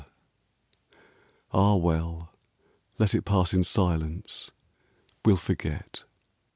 '] H, well ; let it pass in silence. We '11 forget.